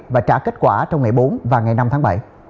và trả kết quả trong ngày bốn và ngày năm tháng bảy